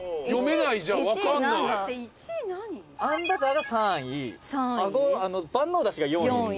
宮田：「あんバターが３位万能だしが４位」